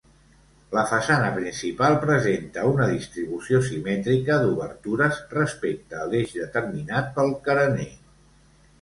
La façana principal presenta una distribució simètrica d'obertures respecte a l'eix determinat pel carener.